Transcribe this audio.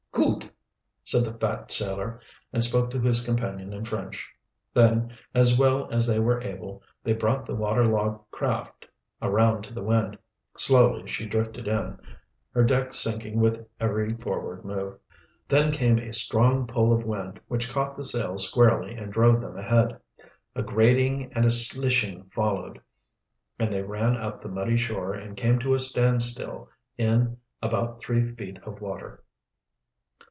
"Good!" said the fat sailor, and spoke to his companion in French. Then, as well as they were able, they brought the water logged craft around to the wind. Slowly she drifted in, her deck sinking with every forward move. Then came a strong pull of wind which caught the sails squarely and drove them ahead. A grating and a slishing followed, and they ran up the muddy shore and came to a standstill in about three feet of water.